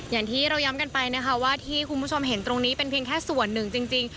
อย่างที่เราย้ำกันไปนะคะว่าที่คุณผู้ชมเห็นตรงนี้เป็นเพียงแค่ส่วนหนึ่งจริง